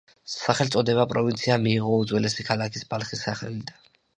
სახელწოდება პროვინციამ მიიღო უძველესი ქალაქის ბალხის სახელიდან.